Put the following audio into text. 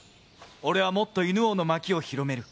俺はもっと犬王の巻を広める。